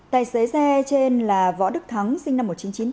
tài xế xe trên là võ đức thắng sinh năm một nghìn chín trăm chín mươi